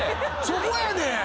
そこやねん！